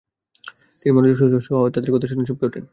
তিনি মনোযোগ সহ তাদের কথা শুনে চমকে ওঠেন।